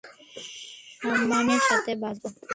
সম্মানের সাথে বাঁচবো।